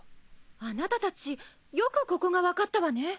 あなたたちよくここがわかったわね。